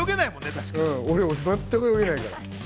俺、全く泳げないから。